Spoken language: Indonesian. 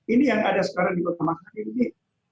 ini yang ada sekarang di kota makassar ini